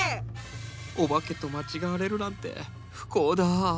お化けと間違われるなんて不幸だ。